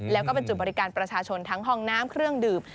แล้วก็เป็นจุดบริการประชาชนทั้งห้องน้ำเครื่องดื่ม